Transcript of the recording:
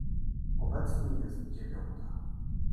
"Obecnie jest dziewiąta."